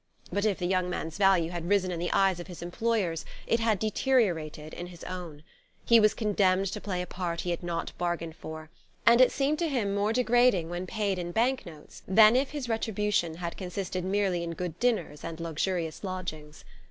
But if the young man's value had risen in the eyes of his employers it had deteriorated in his own. He was condemned to play a part he had not bargained for, and it seemed to him more degrading when paid in bank notes than if his retribution had consisted merely in good dinners and luxurious lodgings.